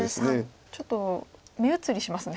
ちょっと目移りしますね。